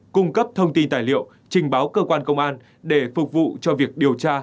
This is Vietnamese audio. cung cấp thông tin tài liệu trình báo cơ quan công an để phục vụ cho việc điều tra